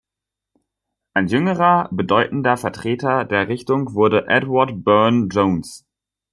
Ein jüngerer, bedeutender Vertreter der Richtung wurde Edward Burne-Jones.